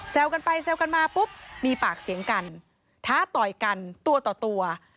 กันไปแซวกันมาปุ๊บมีปากเสียงกันท้าต่อยกันตัวต่อตัว